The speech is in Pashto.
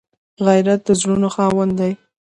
غیرت د زړونو خاوند دی